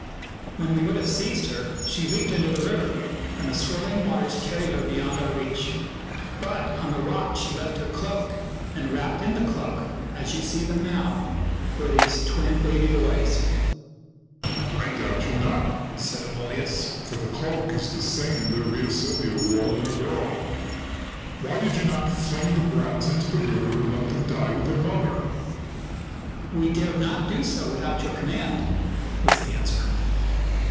When we would have seized her she leaped into the river, and the swirling waters car ried her beyond our reach. But on the rock she left her cloak; and wrapped in the cloak, as you see them now, were these twin baby boys." " I doubt you not," said Amulius, " for the cloak is the same that Rhea Silvia wore when a girl. Why did you not fling the brats into the river and let them die with their mother ?"" We dared not do so without your command," was the answer.